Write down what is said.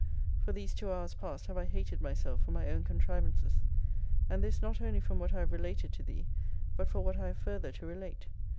For these two hours past have I hated myself for my own contrivances. And this not only from what I have related to thee; but for what I have further to relate.